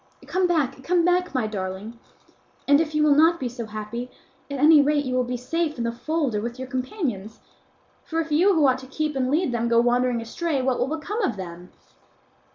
Come back, come back, my darling; and if you will not be so happy, at any rate you will be safe in the fold or with your companions; for if you who ought to keep and lead them, go wandering astray, what will become of them?"